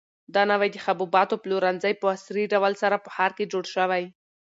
دا نوی د حبوباتو پلورنځی په عصري ډول سره په ښار کې جوړ شوی.